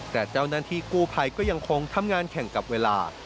แต่เจ้าหน้าที่กู้ภัยก็ยังคงทำงานแข่งกับเวลา